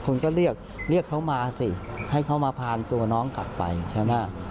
คุณก็เรียกเรียกเขามาสิให้เขามาพาตัวน้องกลับไปใช่ไหม